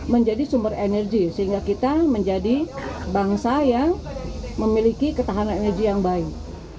menjadi sumber energi sehingga kita menjadi bangsa yang memiliki ketahanan energi yang baik